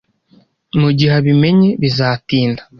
Mugihe abimenye, bizatinda.